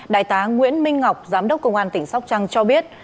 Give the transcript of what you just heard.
đại tá nguyễn minh ngọc giám đốc công an tỉnh sóc trăng cho biết